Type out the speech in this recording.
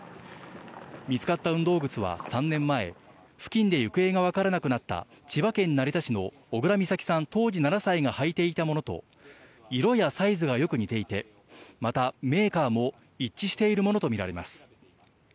見つかった運動靴は３年前、付近で行方が分からなくなった千葉県成田市の小倉美咲さん、当時７歳が履いていたものと、色やサイズがよく似ていて、また、メーカーも一致しているものと見られます。